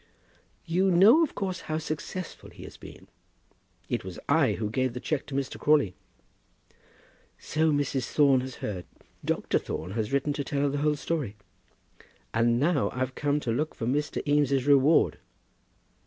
"You know, of course, how successful he has been? It was I who gave the cheque to Mr. Crawley." "So Mrs. Thorne has heard. Dr. Thorne has written to tell her the whole story." "And now I've come to look for Mr. Eames's reward."